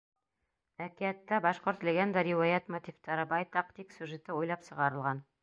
Әкиәттә башҡорт легенда-риүәйәт мотивтары байтаҡ, тик сюжеты уйлап сығарылған.